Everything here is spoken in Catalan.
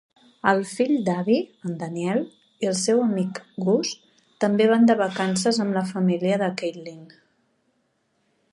El fill d'Abby, en Daniel, i el seu amic, Gus, també van de vacances amb la família de Caitlin.